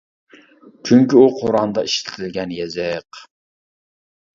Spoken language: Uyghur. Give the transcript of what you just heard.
چۈنكى ئۇ قۇرئاندا ئىشلىتىلگەن يېزىق.